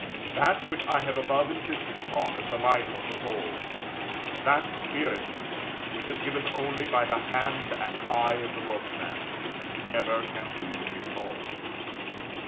That which I have above insisted upon as the life of the whole, that spirit which is given only by the hand and eye of the workman, never can be recalled.